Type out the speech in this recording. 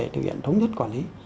thực hiện thống nhất quản lý